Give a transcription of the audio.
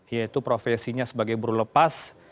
yaitu profesinya sebagai buru lepas